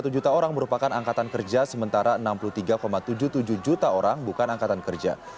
satu juta orang merupakan angkatan kerja sementara enam puluh tiga tujuh puluh tujuh juta orang bukan angkatan kerja